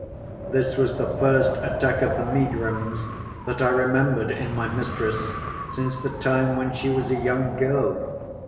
This was the first attack of the megrims that I remembered in my mistress since the time when she was a young girl.